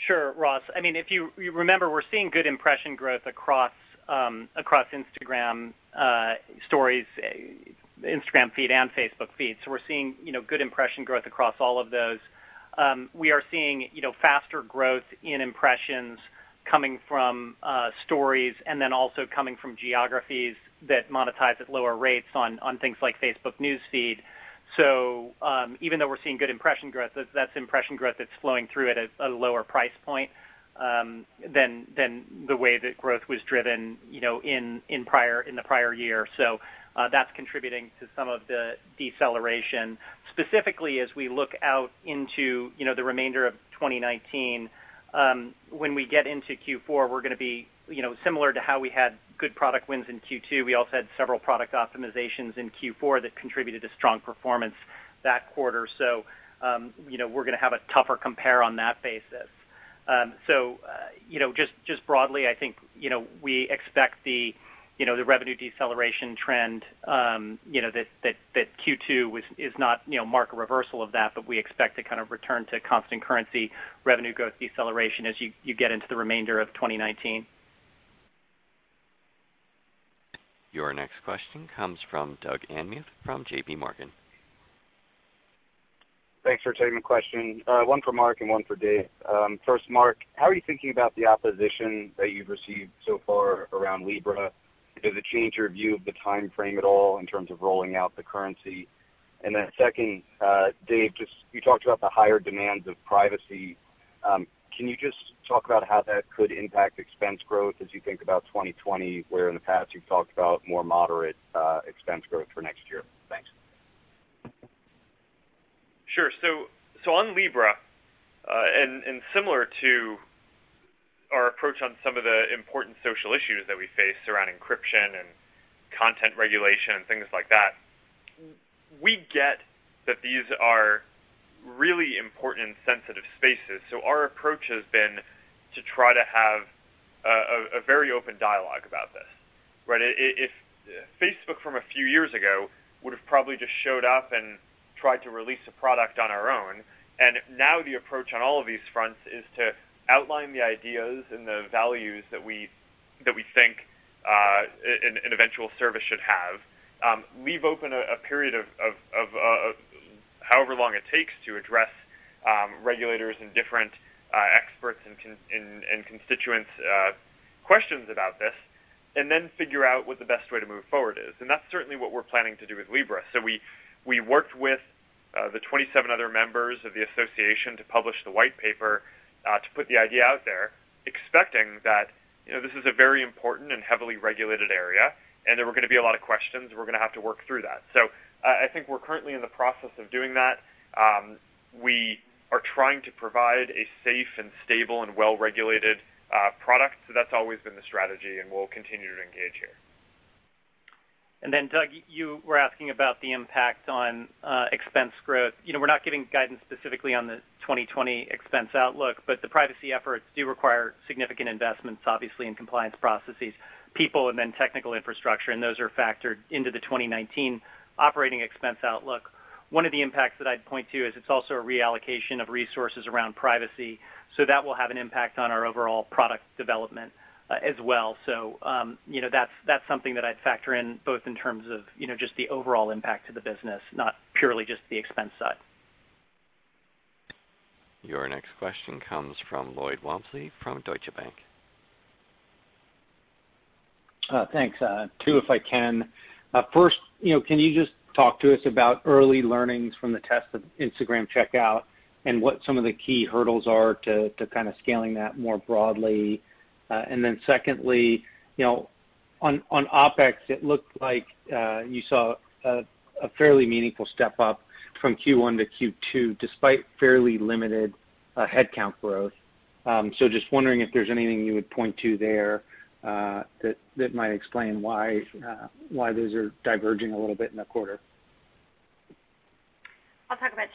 [SPEAKER 5] Sure, Ross. I mean, if you remember, we're seeing good impression growth across Instagram Stories, Instagram Feed, and Facebook Feed. We're seeing good impression growth across all of those. We are seeing faster growth in impressions coming from Stories and then also coming from geographies that monetize at lower rates on things like Facebook News Feed. Even though we're seeing good impression growth, that's impression growth that's flowing through at a lower price point than the way that growth was driven in the prior year. That's contributing to some of the deceleration. Specifically, as we look out into the remainder of 2019, when we get into Q4, we're going to be similar to how we had good product wins in Q2. We also had several product optimizations in Q4 that contributed to strong performance that quarter. We're going to have a tougher compare on that basis. Just broadly, I think we expect the revenue deceleration trend that Q2 is not mark a reversal of that, but we expect to kind of return to constant currency revenue growth deceleration as you get into the remainder of 2019.
[SPEAKER 1] Your next question comes from Doug Anmuth from J.P. Morgan.
[SPEAKER 9] Thanks for taking the question. One for Mark and one for Dave. First, Mark, how are you thinking about the opposition that you've received so far around Libra? Does it change your view of the timeframe at all in terms of rolling out the currency? Then second, Dave, you talked about the higher demands of privacy. Can you just talk about how that could impact expense growth as you think about 2020, where in the past you've talked about more moderate expense growth for next year? Thanks.
[SPEAKER 3] Sure. On Libra, similar to our approach on some of the important social issues that we face around encryption and content regulation and things like that, we get that these are really important and sensitive spaces. Our approach has been to try to have a very open dialogue about this. Right? Facebook from a few years ago would've probably just showed up and tried to release a product on our own. Now the approach on all of these fronts is to outline the ideas and the values that we think an eventual service should have, leave open a period of however long it takes to address regulators' and different experts' and constituents' questions about this, and then figure out what the best way to move forward is. That's certainly what we're planning to do with Libra. We worked with the 27 other members of the Association to publish the white paper to put the idea out there, expecting that this is a very important and heavily regulated area, and there were going to be a lot of questions, and we're going to have to work through that. I think we're currently in the process of doing that. We are trying to provide a safe and stable and well-regulated product. That's always been the strategy, and we'll continue to engage here.
[SPEAKER 5] Doug, you were asking about the impact on expense growth. We're not giving guidance specifically on the 2020 expense outlook, but the privacy efforts do require significant investments, obviously, in compliance processes, people, and then technical infrastructure, and those are factored into the 2019 operating expense outlook. One of the impacts that I'd point to is it's also a reallocation of resources around privacy. That will have an impact on our overall product development as well. That's something that I'd factor in, both in terms of just the overall impact to the business, not purely just the expense side.
[SPEAKER 1] Your next question comes from Lloyd Walmsley from Deutsche Bank.
[SPEAKER 10] Thanks. Two, if I can. First, can you just talk to us about early learnings from the test of Instagram Checkout and what some of the key hurdles are to kind of scaling that more broadly? Secondly, on OpEx, it looked like you saw a fairly meaningful step-up from Q1 to Q2, despite fairly limited headcount growth. Just wondering if there's anything you would point to there that might explain why those are diverging a little bit in the quarter.
[SPEAKER 4] I'll talk about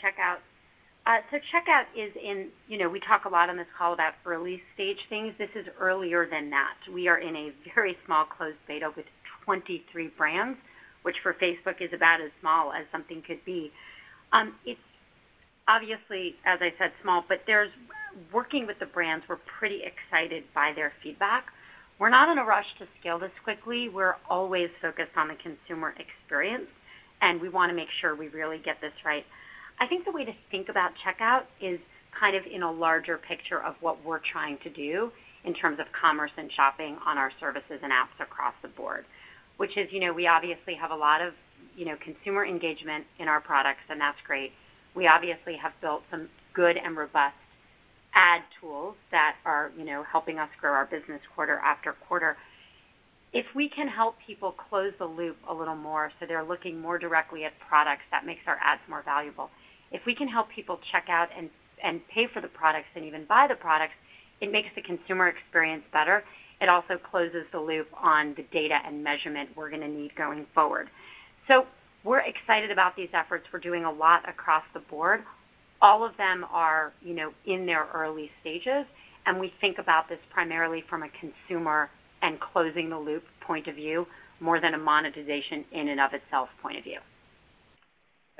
[SPEAKER 4] Checkout. Checkout, we talk a lot on this call about early-stage things. This is earlier than that. We are in a very small closed beta with 23 brands, which for Facebook is about as small as something could be. Obviously, as I said, small, working with the brands, we're pretty excited by their feedback. We're not in a rush to scale this quickly. We're always focused on the consumer experience, and we want to make sure we really get this right. I think the way to think about Checkout is kind of in a larger picture of what we're trying to do in terms of commerce and shopping on our services and apps across the board, which is, we obviously have a lot of consumer engagement in our products, and that's great. We obviously have built some good and robust ad tools that are helping us grow our business quarter after quarter. If we can help people close the loop a little more so they're looking more directly at products, that makes our ads more valuable. If we can help people check out and pay for the products, and even buy the products, it makes the consumer experience better. It also closes the loop on the data and measurement we're going to need going forward. We're excited about these efforts. We're doing a lot across the board. All of them are in their early stages, and we think about this primarily from a consumer and closing the loop point of view, more than a monetization in and of itself point of view.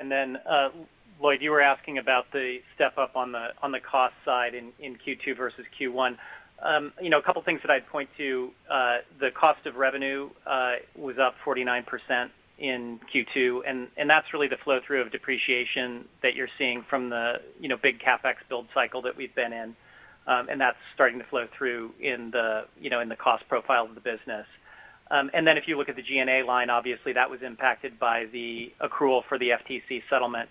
[SPEAKER 5] Then, Lloyd, you were asking about the step-up on the cost side in Q2 versus Q1. A couple things that I'd point to. The cost of revenue was up 49% in Q2, that's really the flow-through of depreciation that you're seeing from the big CapEx build cycle that we've been in. That's starting to flow through in the cost profile of the business. Then if you look at the G&A line, obviously, that was impacted by the accrual for the FTC settlement,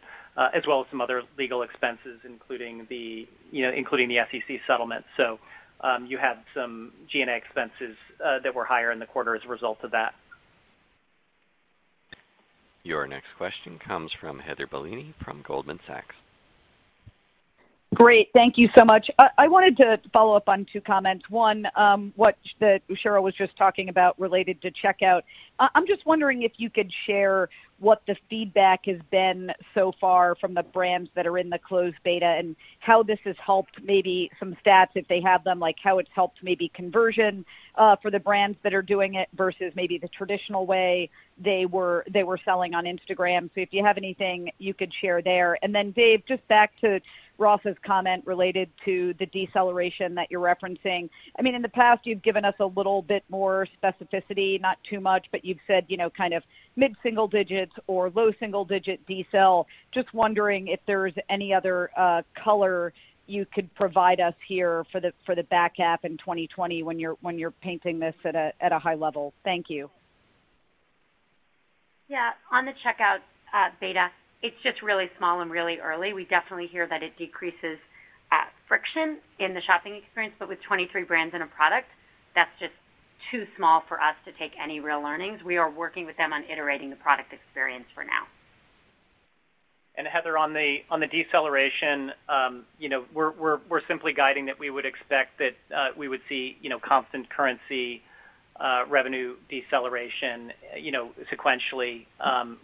[SPEAKER 5] as well as some other legal expenses, including the SEC settlement. You had some G&A expenses that were higher in the quarter as a result of that.
[SPEAKER 1] Your next question comes from Heather Bellini from Goldman Sachs.
[SPEAKER 11] Great. Thank you so much. I wanted to follow up on two comments. One, what Sheryl was just talking about related to Checkout. I'm just wondering if you could share what the feedback has been so far from the brands that are in the closed beta, and how this has helped, maybe some stats, if they have them, like how it's helped maybe conversion for the brands that are doing it versus maybe the traditional way they were selling on Instagram. If you have anything you could share there. Then Dave, just back to Ross's comment related to the deceleration that you're referencing. In the past, you've given us a little bit more specificity, not too much, but you've said kind of mid-single digits or low single-digit decel. Just wondering if there's any other color you could provide us here for the back half in 2020 when you're painting this at a high level? Thank you.
[SPEAKER 4] Yeah. On the Checkout beta, it's just really small and really early. We definitely hear that it decreases friction in the shopping experience, with 23 brands in a product, that's just too small for us to take any real learnings. We are working with them on iterating the product experience for now.
[SPEAKER 5] Heather, on the deceleration, we're simply guiding that we would expect that we would see constant currency revenue deceleration sequentially,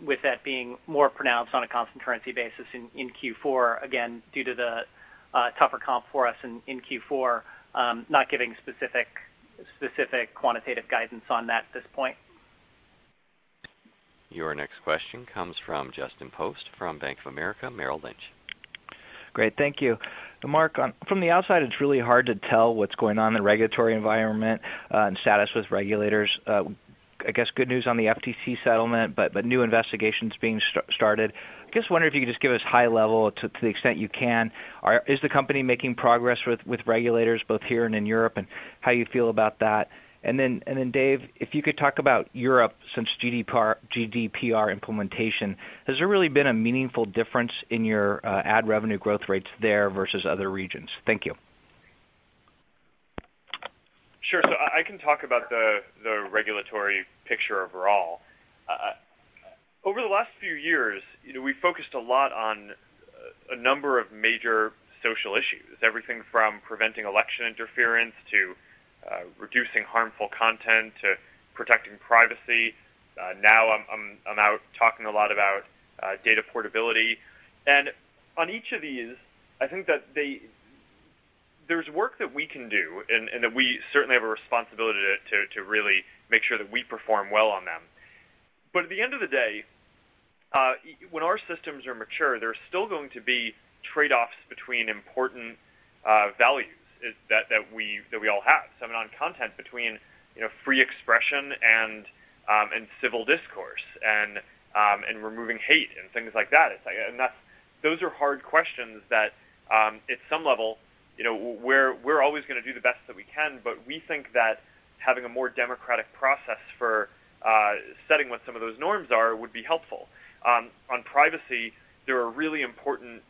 [SPEAKER 5] with that being more pronounced on a constant currency basis in Q4, again, due to the tougher comp for us in Q4. Not giving specific quantitative guidance on that at this point.
[SPEAKER 1] Your next question comes from Justin Post from Bank of America Merrill Lynch.
[SPEAKER 12] Great. Thank you. Mark, from the outside, it's really hard to tell what's going on in the regulatory environment and status with regulators. I guess good news on the FTC settlement, but new investigations being started. I guess wondering if you could just give us high level to the extent you can, is the company making progress with regulators both here and in Europe, and how you feel about that? Dave, if you could talk about Europe since GDPR implementation. Has there really been a meaningful difference in your ad revenue growth rates there versus other regions? Thank you.
[SPEAKER 3] Sure. I can talk about the regulatory picture overall. Over the last few years, we focused a lot on a number of major social issues, everything from preventing election interference to reducing harmful content, to protecting privacy. Now I'm out talking a lot about data portability. On each of these, I think that there's work that we can do, and that we certainly have a responsibility to really make sure that we perform well on them. At the end of the day, when our systems are mature, there's still going to be trade-offs between important values that we all have, on content between free expression and civil discourse and removing hate and things like that. Those are hard questions that, at some level, we're always going to do the best that we can, but we think that having a more democratic process for setting what some of those norms are would be helpful. On privacy, there are really important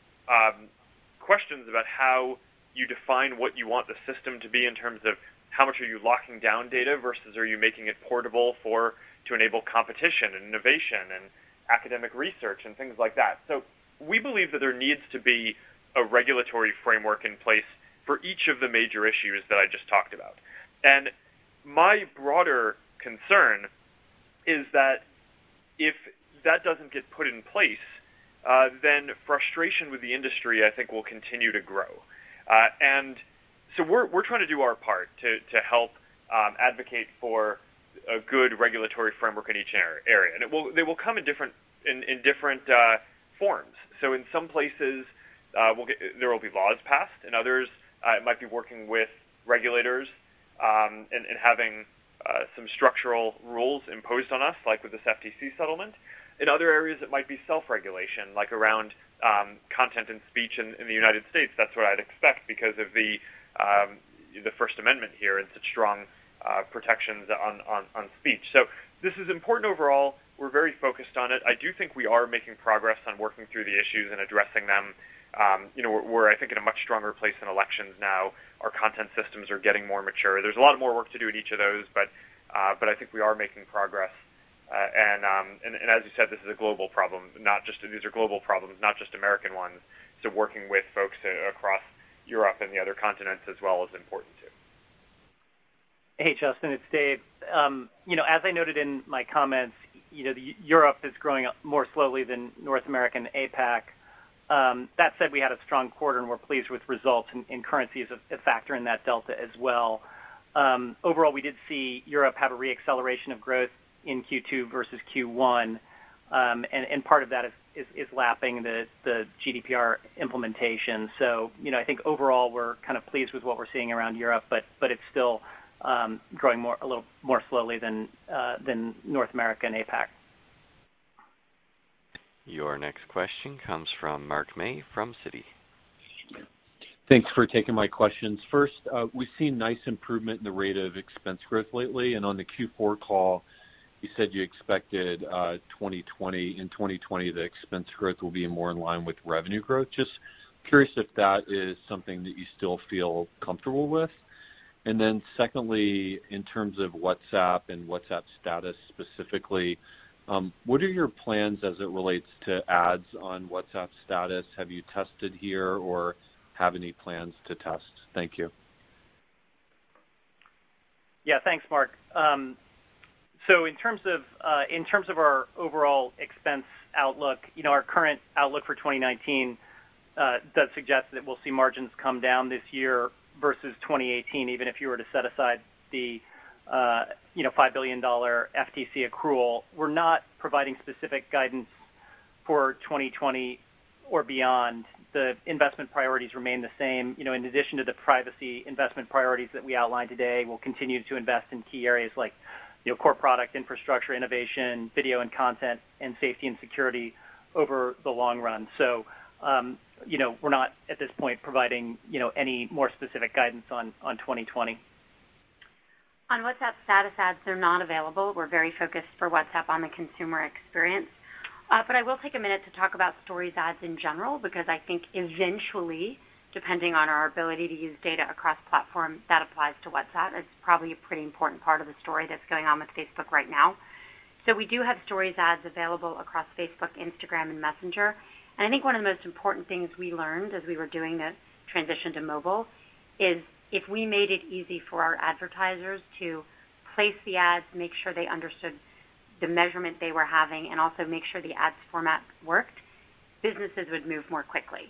[SPEAKER 3] questions about how you define what you want the system to be in terms of how much are you locking down data versus are you making it portable to enable competition and innovation and academic research and things like that. We believe that there needs to be a regulatory framework in place for each of the major issues that I just talked about. We're trying to do our part to help advocate for a good regulatory framework in each area. They will come in different forms. In some places, there will be laws passed, in others, it might be working with regulators and having some structural rules imposed on us, like with this FTC settlement. In other areas, it might be self-regulation, like around content and speech in the United States. That's what I'd expect because of the First Amendment here and such strong protections on speech. This is important overall. We're very focused on it. I do think we are making progress on working through the issues and addressing them. We're, I think, in a much stronger place in elections now. Our content systems are getting more mature. There's a lot more work to do in each of those, but I think we are making progress. As you said, these are global problems, not just American ones. Working with folks across Europe and the other continents as well is important too.
[SPEAKER 5] Hey, Justin, it's Dave. As I noted in my comments, Europe is growing more slowly than North America and APAC. That said, we had a strong quarter, and we're pleased with results, and currency is a factor in that delta as well. Overall, we did see Europe have a re-acceleration of growth in Q2 versus Q1, and part of that is lapping the GDPR implementation. I think overall we're kind of pleased with what we're seeing around Europe, but it's still growing a little more slowly than North America and APAC.
[SPEAKER 1] Your next question comes from Mark May from Citi.
[SPEAKER 13] Thanks for taking my questions. First, we've seen nice improvement in the rate of expense growth lately. On the Q4 call you said you expected in 2020, the expense growth will be more in line with revenue growth. Just curious if that is something that you still feel comfortable with. Secondly, in terms of WhatsApp and WhatsApp Status specifically, what are your plans as it relates to ads on WhatsApp Status? Have you tested here or have any plans to test? Thank you.
[SPEAKER 5] Thanks, Mark. In terms of our overall expense outlook, our current outlook for 2019 does suggest that we'll see margins come down this year versus 2018, even if you were to set aside the $5 billion FTC accrual. We're not providing specific guidance for 2020 or beyond. The investment priorities remain the same. In addition to the privacy investment priorities that we outlined today, we'll continue to invest in key areas like core product infrastructure, innovation, video and content, and safety and security over the long run. We're not, at this point, providing any more specific guidance on 2020.
[SPEAKER 4] On WhatsApp Status ads, they're not available. We're very focused for WhatsApp on the consumer experience. I will take a minute to talk about Stories ads in general, because I think eventually, depending on our ability to use data across platforms, that applies to WhatsApp. That's probably a pretty important part of the story that's going on with Facebook right now. We do have Stories ads available across Facebook, Instagram, and Messenger. I think one of the most important things we learned as we were doing the transition to mobile is if we made it easy for our advertisers to place the ads, make sure they understood the measurement they were having, and also make sure the ads format worked, businesses would move more quickly.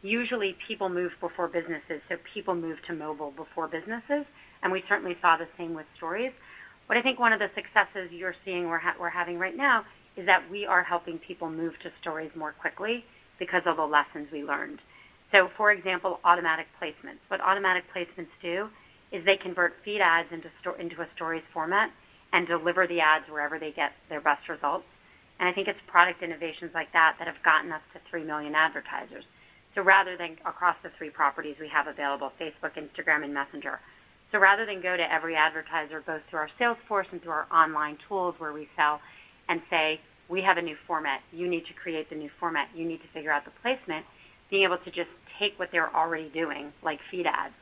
[SPEAKER 4] Usually people move before businesses. People moved to mobile before businesses. We certainly saw the same with Stories. I think one of the successes you're seeing we're having right now is that we are helping people move to Stories more quickly because of the lessons we learned. For example, automatic placements. What automatic placements do is they convert feed ads into a Stories format and deliver the ads wherever they get their best results. I think it's product innovations like that that have gotten us to 3 million advertisers across the three properties we have available, Facebook, Instagram, and Messenger. Rather than go to every advertiser, both through our sales force and through our online tools where we sell, and say, "We have a new format. You need to create the new format. You need to figure out the placement." Being able to just take what they're already doing, like Feed ads,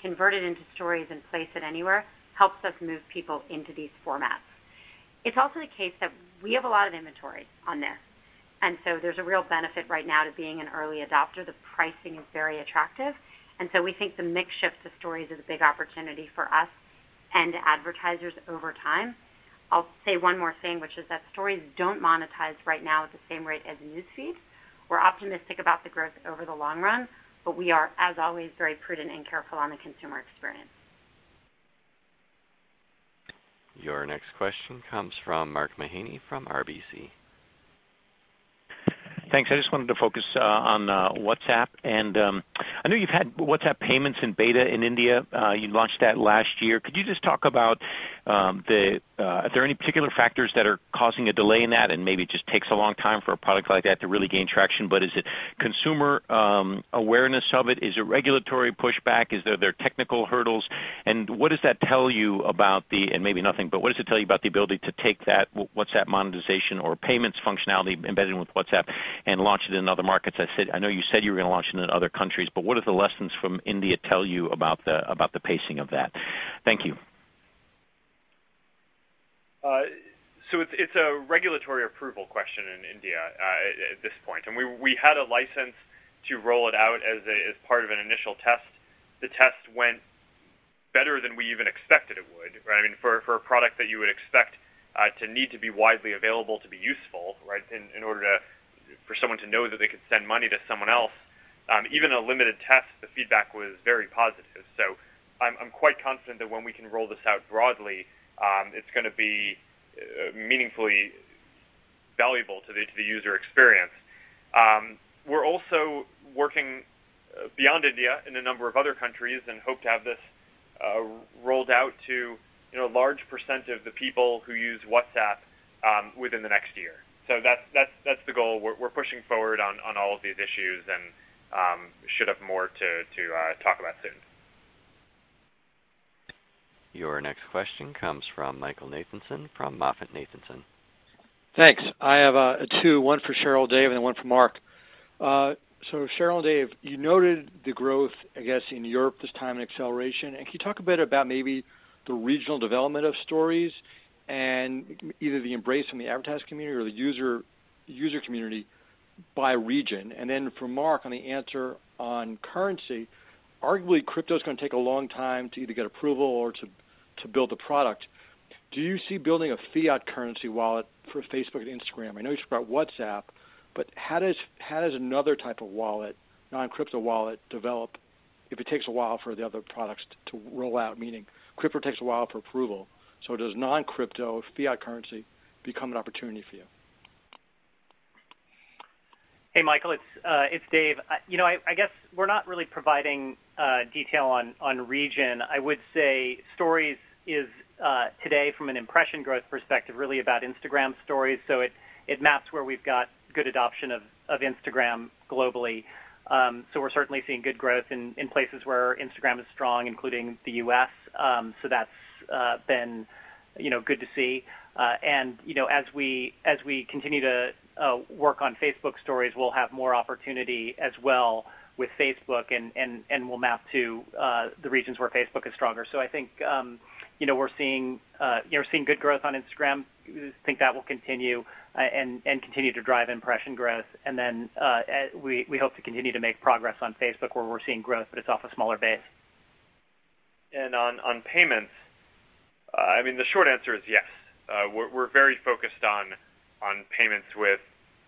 [SPEAKER 4] convert it into Stories, and place it anywhere, helps us move people into these formats. It's also the case that we have a lot of inventory on this, and so there's a real benefit right now to being an early adopter. The pricing is very attractive, and so we think the mix shift to Stories is a big opportunity for us and advertisers over time. I'll say one more thing, which is that Stories don't monetize right now at the same rate as News Feed. We're optimistic about the growth over the long run, but we are, as always, very prudent and careful on the consumer experience.
[SPEAKER 1] Your next question comes from Mark Mahaney from RBC.
[SPEAKER 14] Thanks. I just wanted to focus on WhatsApp. I know you've had WhatsApp payments in beta in India. You launched that last year. Could you just talk about, are there any particular factors that are causing a delay in that? Maybe it just takes a long time for a product like that to really gain traction, but is it consumer awareness of it? Is it regulatory pushback? Are there technical hurdles? What does that tell you about the, and maybe nothing, but what does it tell you about the ability to take that WhatsApp monetization or payments functionality embedded with WhatsApp and launch it in other markets? I know you said you were going to launch it in other countries, but what do the lessons from India tell you about the pacing of that? Thank you.
[SPEAKER 3] It's a regulatory approval question in India at this point. We had a license to roll it out as part of an initial test. The test went better than we even expected it would. For a product that you would expect to need to be widely available to be useful, in order for someone to know that they could send money to someone else. Even a limited test, the feedback was very positive. I'm quite confident that when we can roll this out broadly, it's going to be meaningfully valuable to the user experience. We're also working beyond India, in a number of other countries, and hope to have this rolled out to a large percent of the people who use WhatsApp within the next year. That's the goal. We're pushing forward on all of these issues and should have more to talk about soon.
[SPEAKER 1] Your next question comes from Michael Nathanson, from MoffettNathanson.
[SPEAKER 15] Thanks. I have two, one for Sheryl and Dave, and then one for Mark. Sheryl and Dave, you noted the growth, I guess, in Europe this time, and acceleration. Can you talk a bit about maybe the regional development of Stories and either the embrace from the advertising community or the user community by region? Then for Mark, on the answer on currency, arguably crypto's going to take a long time to either get approval or to build the product. Do you see building a fiat currency wallet for Facebook and Instagram? I know you spoke about WhatsApp, but how does another type of wallet, non-crypto wallet, develop if it takes a while for the other products to roll out, meaning crypto takes a while for approval. Does non-crypto, fiat currency, become an opportunity for you?
[SPEAKER 5] Hey, Michael, it's Dave. I guess we're not really providing detail on region. I would say Stories is, today, from an impression growth perspective, really about Instagram Stories. It maps where we've got good adoption of Instagram globally. We're certainly seeing good growth in places where Instagram is strong, including the U.S. That's been good to see. As we continue to work on Facebook Stories, we'll have more opportunity as well with Facebook, and we'll map to the regions where Facebook is stronger. I think we're seeing good growth on Instagram. We think that will continue and continue to drive impression growth. We hope to continue to make progress on Facebook, where we're seeing growth, but it's off a smaller base.
[SPEAKER 3] On payments, the short answer is yes. We're very focused on payments with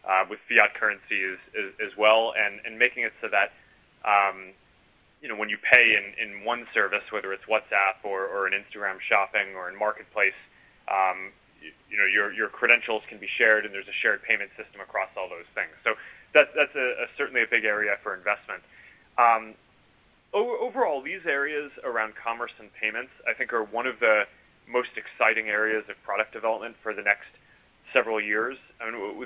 [SPEAKER 3] fiat currencies as well, and making it so that when you pay in one service, whether it's WhatsApp or in Instagram Shopping or in Marketplace, your credentials can be shared, and there's a shared payment system across all those things. That's certainly a big area for investment. Overall, these areas around commerce and payments, I think, are one of the most exciting areas of product development for the next several years.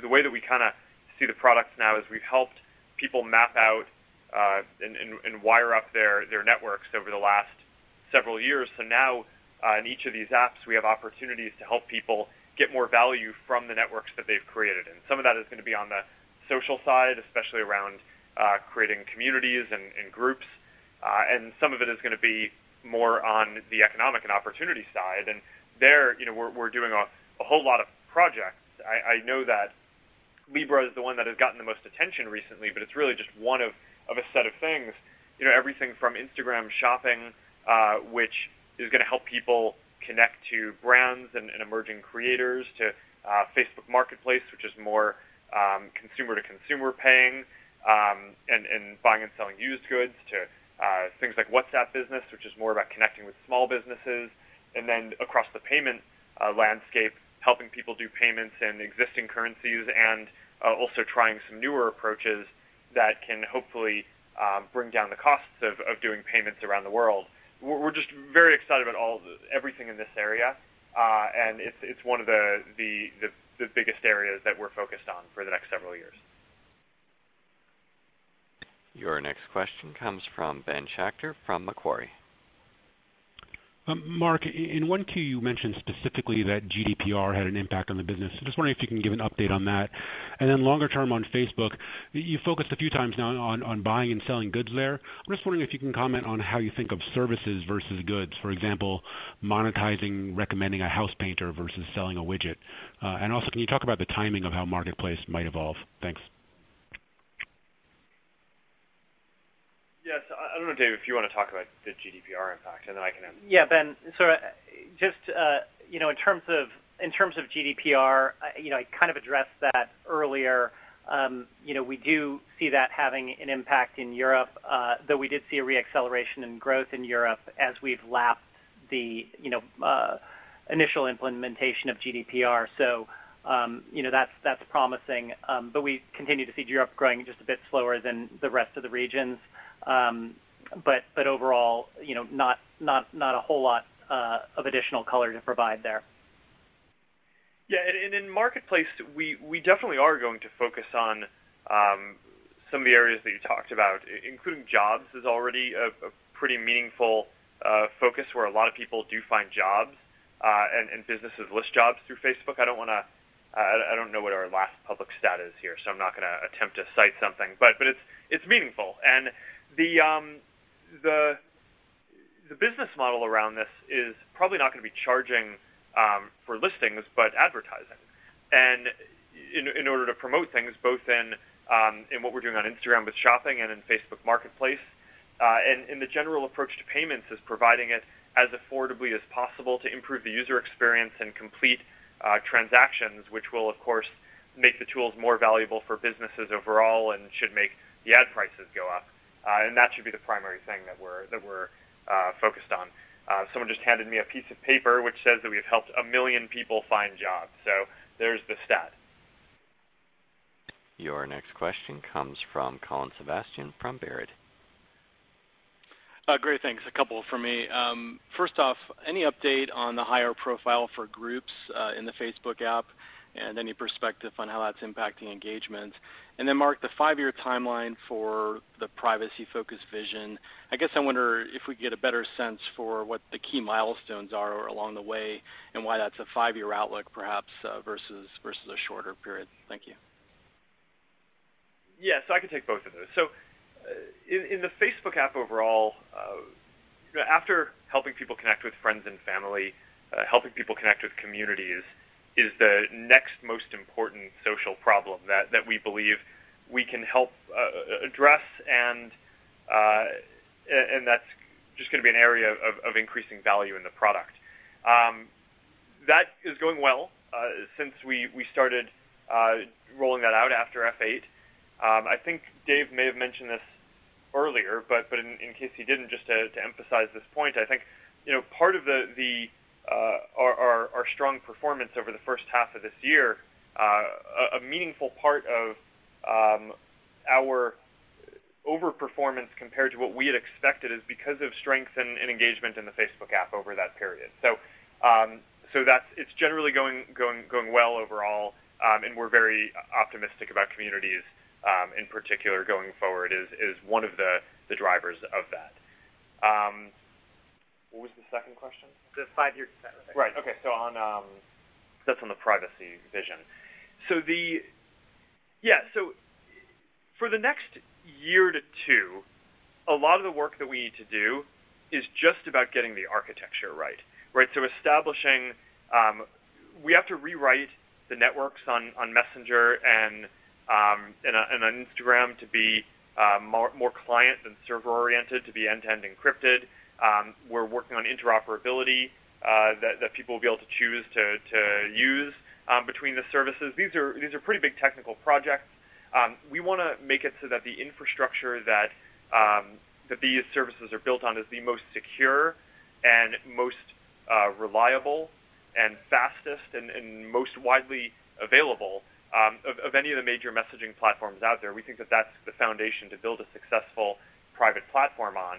[SPEAKER 3] The way that we kind of see the products now is we've helped people map out and wire up their networks over the last several years. Now in each of these apps, we have opportunities to help people get more value from the networks that they've created. Some of that is going to be on the social side, especially around creating communities and groups. Some of it is going to be more on the economic and opportunity side. There, we're doing a whole lot of projects. I know that Libra is the one that has gotten the most attention recently, but it's really just one of a set of things. Everything from Instagram Shopping, which is going to help people connect to brands and emerging creators, to Facebook Marketplace, which is more consumer-to-consumer paying and buying and selling used goods, to things like WhatsApp Business, which is more about connecting with small businesses. Across the payment landscape, helping people do payments in existing currencies and also trying some newer approaches that can hopefully bring down the costs of doing payments around the world. We're just very excited about everything in this area. It's one of the biggest areas that we're focused on for the next several years.
[SPEAKER 1] Your next question comes from Ben Schachter from Macquarie.
[SPEAKER 16] Mark, in 1Q, you mentioned specifically that GDPR had an impact on the business. I'm just wondering if you can give an update on that. Longer term on Facebook, you focused a few times now on buying and selling goods there. I'm just wondering if you can comment on how you think of services versus goods. For example, monetizing recommending a house painter versus selling a widget. Can you talk about the timing of how Marketplace might evolve? Thanks.
[SPEAKER 3] Yes. I don't know, Dave, if you want to talk about the GDPR impact, and then I can-
[SPEAKER 5] Ben. Just in terms of GDPR, I kind of addressed that earlier. We do see that having an impact in Europe. We did see a re-acceleration in growth in Europe as we've lapped the initial implementation of GDPR. That's promising. We continue to see Europe growing just a bit slower than the rest of the regions. Overall, not a whole lot of additional color to provide there.
[SPEAKER 3] In Marketplace, we definitely are going to focus on some of the areas that you talked about, including Jobs is already a pretty meaningful focus, where a lot of people do find jobs and businesses list jobs through Facebook. I don't know what our last public stat is here, so I'm not going to attempt to cite something. It's meaningful. The business model around this is probably not going to be charging for listings, but advertising. In order to promote things both in what we're doing on Instagram with shopping and in Facebook Marketplace. The general approach to payments is providing it as affordably as possible to improve the user experience and complete transactions, which will, of course, make the tools more valuable for businesses overall and should make the ad prices go up. That should be the primary thing that we're focused on. Someone just handed me a piece of paper which says that we have helped 1 million people find jobs. There's the stat.
[SPEAKER 1] Your next question comes from Colin Sebastian from Baird.
[SPEAKER 17] Great. Thanks. A couple from me. First off, any update on the higher profile for groups in the Facebook app, and any perspective on how that's impacting engagement? Then Mark, the five-year timeline for the privacy-focused vision, I guess I wonder if we can get a better sense for what the key milestones are along the way, and why that's a five-year outlook, perhaps, versus a shorter period. Thank you.
[SPEAKER 3] Yes, I can take both of those. In the Facebook app overall, after helping people connect with friends and family, helping people connect with communities is the next most important social problem that we believe we can help address and that's just going to be an area of increasing value in the product. That is going well since we started rolling that out after F8. I think Dave may have mentioned this earlier, but in case he didn't, just to emphasize this point, I think part of our strong performance over the first half of this year, a meaningful part of our over-performance compared to what we had expected is because of strength and engagement in the Facebook app over that period. It's generally going well overall, and we're very optimistic about communities, in particular going forward as one of the drivers of that. What was the second question?
[SPEAKER 5] The five-year plan.
[SPEAKER 3] Right. Okay. That's on the privacy vision. For the next year to two, a lot of the work that we need to do is just about getting the architecture right. Establishing, we have to rewrite the networks on Messenger and on Instagram to be more client and server-oriented, to be end-to-end encrypted. We're working on interoperability that people will be able to choose to use between the services. These are pretty big technical projects. We want to make it so that the infrastructure that these services are built on is the most secure and most reliable and fastest and most widely available of any of the major messaging platforms out there. We think that that's the foundation to build a successful private platform on.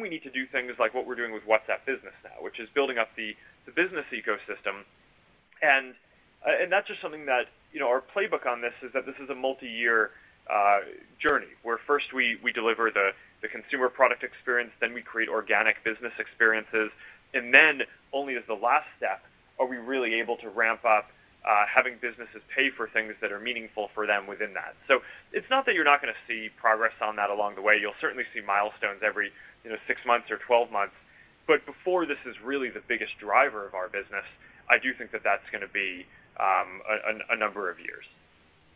[SPEAKER 3] We need to do things like what we're doing with WhatsApp Business now, which is building up the business ecosystem. That's just something that our playbook on this is that this is a multi-year journey, where first we deliver the consumer product experience, then we create organic business experiences, and then only as the last step are we really able to ramp up having businesses pay for things that are meaningful for them within that. It's not that you're not going to see progress on that along the way. You'll certainly see milestones every six months or 12 months. Before this is really the biggest driver of our business, I do think that that's going to be a number of years.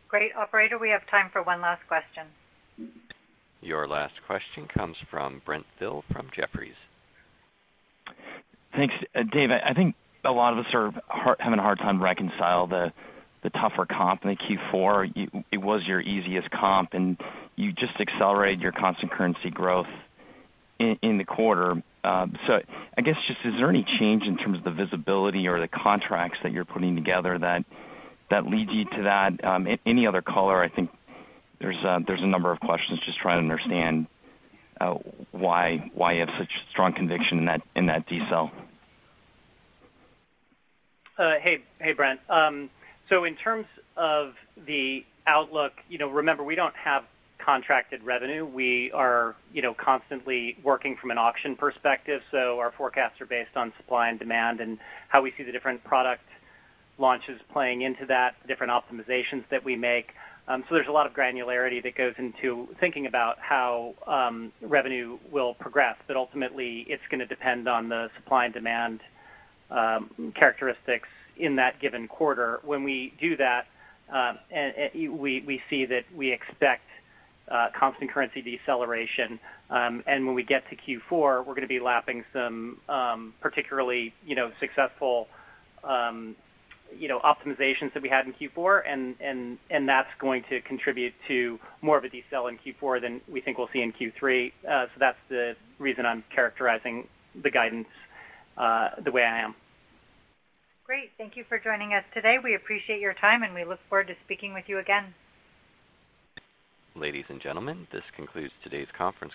[SPEAKER 5] Great. Operator, we have time for one last question.
[SPEAKER 1] Your last question comes from Brent Thill from Jefferies.
[SPEAKER 18] Thanks. Dave, I think a lot of us are having a hard time to reconcile the tougher comp in the Q4. It was your easiest comp, and you just accelerated your constant currency growth in the quarter. I guess, just is there any change in terms of the visibility or the contracts that you're putting together that leads you to that? Any other color? I think there's a number of questions just trying to understand why you have such strong conviction in that decel.
[SPEAKER 5] Hey, Brent. In terms of the outlook, remember, we don't have contracted revenue. We are constantly working from an auction perspective, so our forecasts are based on supply and demand and how we see the different product launches playing into that, different optimizations that we make. There's a lot of granularity that goes into thinking about how revenue will progress. Ultimately, it's going to depend on the supply and demand characteristics in that given quarter. When we do that, we see that we expect constant currency deceleration. When we get to Q4, we're going to be lapping some particularly successful optimizations that we had in Q4, and that's going to contribute to more of a decel in Q4 than we think we'll see in Q3. That's the reason I'm characterizing the guidance the way I am. Great. Thank you for joining us today. We appreciate your time, and we look forward to speaking with you again.
[SPEAKER 1] Ladies and gentlemen, this concludes today's conference.